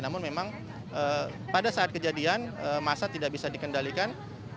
namun memang pada saat kejadian masa tidak bisa dikendalikan